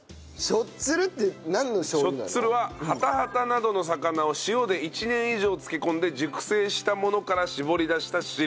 しょっつるはハタハタなどの魚を塩で１年以上漬け込んで熟成したものから搾り出した汁。